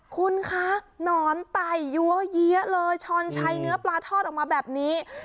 คุณคะหนอนไตยั้วเยี้ยเลยช้อนชัยเนื้อปลาทอดออกมาแบบนี้